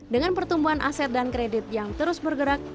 dengan pertumbuhan aset dan kredit yang terus bergerak